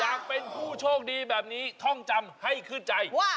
อยากเป็นผู้โชคดีแบบนี้ท่องจำให้ขึ้นใจ